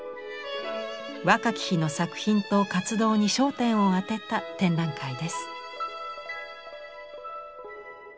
若き日の作品と活動に焦点を当てた展覧会です。